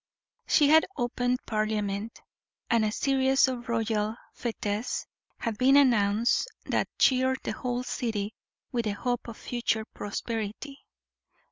She had opened Parliament, and a series of royal fetes had been announced that cheered the whole city with the hope of future prosperity.